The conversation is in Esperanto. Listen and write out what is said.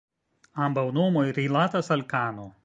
Ambaŭ nomoj rilatas al "kano".